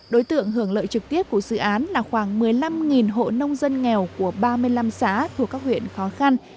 đối tượng hưởng lợi trực tiếp của dự án là khoảng một mươi năm hộ nông dân nghèo của ba mươi năm xã thuộc các huyện khó khăn